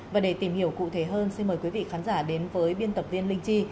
và để tìm hiểu cụ thể hơn xin mời quý vị khán giả đến với biên tập viên linh chi